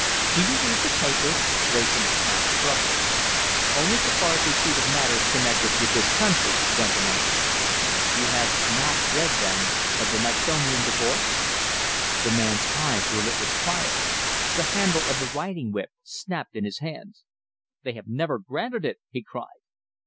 "Do you read the papers?" Wrayson asked abruptly. "Only so far as they treat of matters connected with this country," Duncan answered. "You have not read, then, of the Mexonian divorce?" The man's eyes were lit with fire. The handle of the riding whip snapped in his hands. "They have never granted it!" he cried.